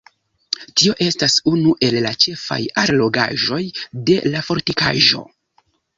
Tio estas unu el la ĉefaj allogaĵoj de la fortikaĵo.